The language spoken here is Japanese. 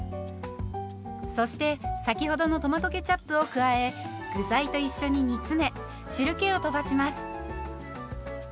そして先ほどのトマトケチャップを加え具材と一緒に煮詰め汁けをとばします。